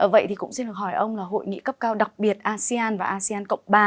vậy thì cũng xin được hỏi ông là hội nghị cấp cao đặc biệt asean và asean cộng ba